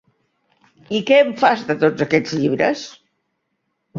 I què en fas de tots aquests llibres?